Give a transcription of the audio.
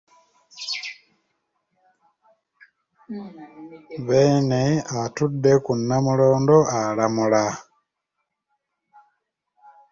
Beene atudde ku Namulondo alamula.